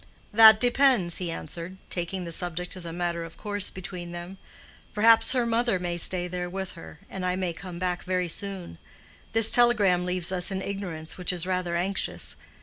"That depends," he answered, taking the subject as a matter of course between them. "Perhaps her mother may stay there with her, and I may come back very soon. This telegram leaves us in ignorance which is rather anxious.